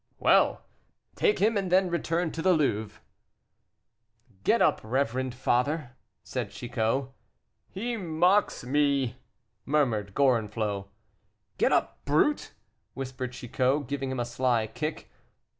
"Well! take him, and then return to the Louvre." "Get up, reverend father," said Chicot. "He mocks me," murmured Gorenflot. "Get up, brute," whispered Chicot, giving him a sly kick.